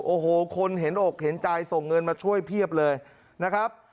โอ้โหคนเห็นอกเห็นใจส่งเงินมาช่วยเพียบเลยนะครับ